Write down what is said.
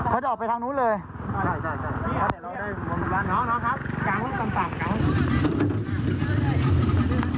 เขาจะออกไปทางนู้นเลย